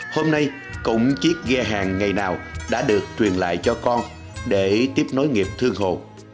hôm nay cũng chiếc ghe hàng ngày nào đã được truyền lại cho con để tiếp nối nghiệp thương hồ